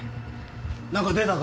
なんか出たか？